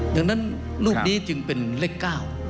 ดังนั้นรูปนี้จึงเป็นเล็กก้าว